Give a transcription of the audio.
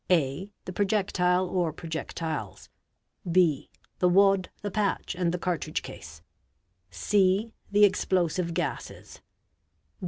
. (a) The projectile or projectiles. (b) The wad, the patch, and the cartridge case, ' (c) The explosive gases.